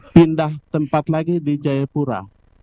pindah tempat lagi di jayapura